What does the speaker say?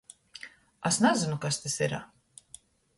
Es nazynu, kas tys ir.